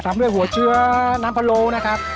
ด้วยหัวเชื้อน้ำพะโลนะครับ